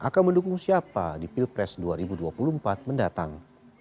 akan mendukung siapa di pilpres dua ribu dua puluh empat mendatang